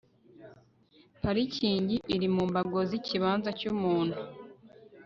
parikingi iri mu mbago z ikibanza cy umuntu